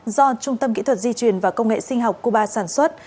do trung tâm kỹ thuật di truyền và công nghệ sinh học cuba sản xuất